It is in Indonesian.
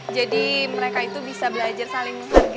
jadi mereka itu bisa belajar saling menghargai